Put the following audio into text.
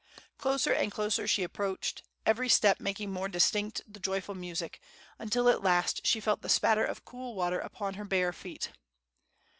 Closer and closer she approached, every step making more distinct the joyful music, until at last she felt the spatter of cool water upon her bare feet.